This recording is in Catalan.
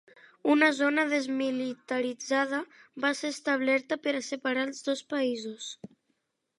Una zona desmilitaritzada va ser establerta per a separar als dos països.